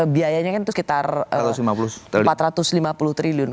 biayanya kan itu sekitar empat ratus lima puluh triliun